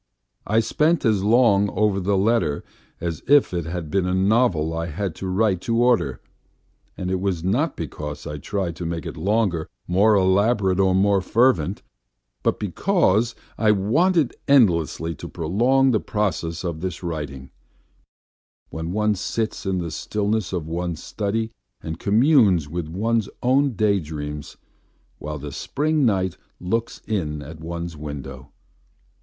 I spent as long over the letter as if it had been a novel I had to write to order. And it was not because I tried to make it longer, more elaborate, and more fervent, but because I wanted endlessly to prolong the process of this writing, when one sits in the stillness of one's study and communes with one's own day dreams while the spring night looks in at one's window.